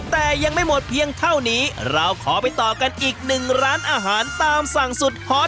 แต่ยังไม่หมดเพียงเท่านี้เราขอไปต่อกันอีกหนึ่งร้านอาหารตามสั่งสุดฮอต